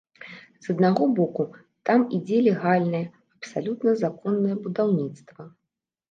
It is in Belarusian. З аднаго боку, там ідзе легальнае, абсалютна законнае будаўніцтва.